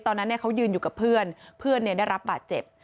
ตอนนั้นเขายืนอยู่กับเพื่อนเพื่อนได้รับบาดเจ็บ